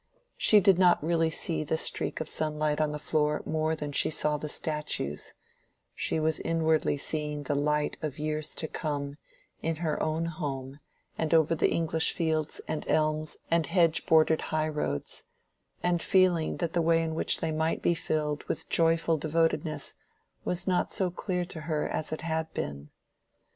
She did not really see the streak of sunlight on the floor more than she saw the statues: she was inwardly seeing the light of years to come in her own home and over the English fields and elms and hedge bordered highroads; and feeling that the way in which they might be filled with joyful devotedness was not so clear to her as it had been.